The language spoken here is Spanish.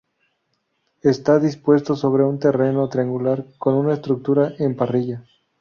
Está dispuesto sobre un terreno triangular, con una estructura en parrilla.